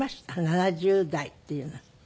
７０代っていうのは。